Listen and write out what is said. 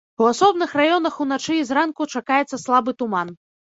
У асобных раёнах уначы і зранку чакаецца слабы туман.